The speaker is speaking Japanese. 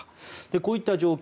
こういった状況